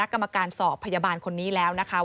กรรมการสอบพยาบาลคนนี้แล้วนะคะ